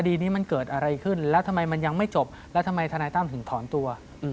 คดีนี้มันเกิดอะไรขึ้นแล้วทำไมมันยังไม่จบแล้วทำไมทนายตั้มถึงถอนตัว